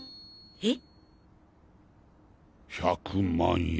えっ！？